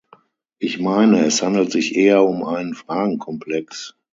Ich meine, es handelt sich eher um einen Fragenkomplex.